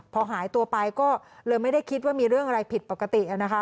พอหายตัวไปก็เลยไม่ได้คิดว่ามีเรื่องอะไรผิดปกตินะคะ